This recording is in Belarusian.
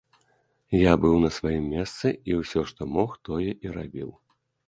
Я быў на сваім месцы, і ўсё, што мог, тое і рабіў.